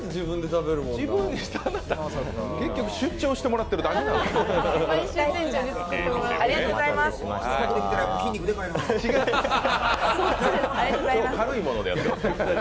結局、出張してもらってるだけなんです。